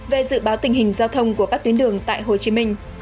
về dự báo tình hình giao thông của các tuyến đường tại hồ chí minh